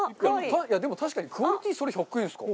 でも確かにクオリティーそれ１００円ですか？